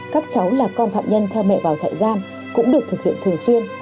các cháu là con phạm nhân theo mẹ vào trại giam cũng được thực hiện thường xuyên